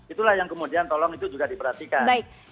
itulah yang kemudian tolong itu juga diperhatikan